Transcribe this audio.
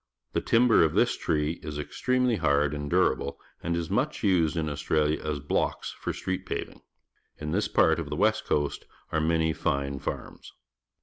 The timber of this tree is extremelj' hard and durable and is much used in AustraUa as blocks for street paving. In this part of the west coast are many fine farms.